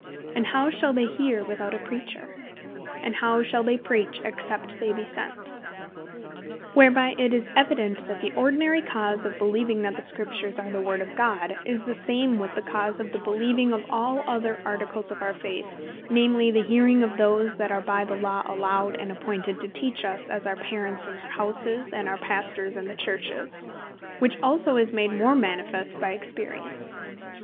and how shall they hear without a Preacher? and how shall they Preach, except they be sent?" Whereby it is evident, that the ordinary cause of beleeving that the Scriptures are the Word of God, is the same with the cause of the beleeving of all other Articles of our Faith, namely, the Hearing of those that are by the Law allowed and appointed to Teach us, as our Parents in their Houses, and our Pastors in the Churches: Which also is made more manifest by experience.